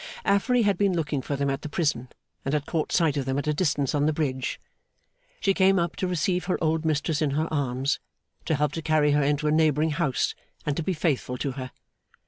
Affery had been looking for them at the prison, and had caught sight of them at a distance on the bridge. She came up to receive her old mistress in her arms, to help to carry her into a neighbouring house, and to be faithful to her.